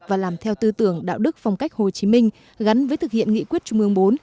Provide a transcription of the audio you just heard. và làm theo tư tưởng đạo đức phong cách hồ chí minh gắn với thực hiện nghị quyết trung ương bốn